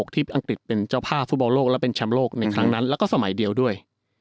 ที่อังกฤษเป็นเจ้าภาพฟุตบอลโลกและเป็นแชมป์โลกในครั้งนั้นแล้วก็สมัยเดียวด้วย